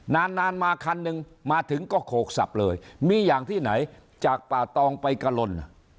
นานนานมาคันหนึ่งมาถึงก็โขกสับเลยมีอย่างที่ไหนจากป่าตองไปกะลน